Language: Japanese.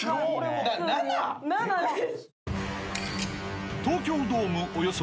７です。